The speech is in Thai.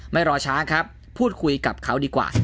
รอช้าครับพูดคุยกับเขาดีกว่า